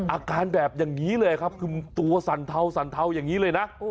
อาการแบบอย่างนี้เลยครับคือตัวสั่นเทาสั่นเทาอย่างนี้เลยนะ